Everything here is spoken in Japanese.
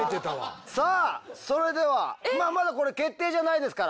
さあそれではまだこれ決定じゃないですから。